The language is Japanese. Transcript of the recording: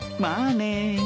まあね。